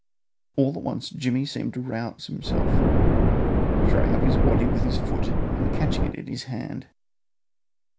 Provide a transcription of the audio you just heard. All at once Jimmy seemed to rouse himself, throwing up his waddy with his foot and catching it in his hand.